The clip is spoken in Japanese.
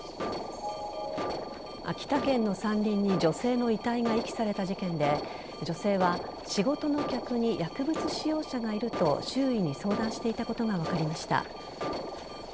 秋田県の山林に女性の遺体が遺棄された事件で女性は、仕事の客に薬物使用者がいると周囲に相談していたことが分かりました。